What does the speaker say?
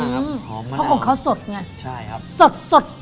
อือฮือเดี๋ยวของเค้าสดไงใช่ครับสด